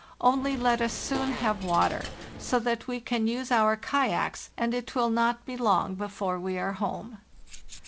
Only let us soon have water, so that we can use our kayaks, and it will not be long before we are home.